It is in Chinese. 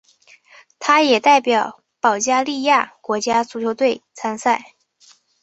他也代表保加利亚国家足球队参赛。